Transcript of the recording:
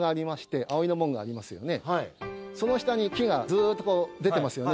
その下に木がずーっとこう出てますよね。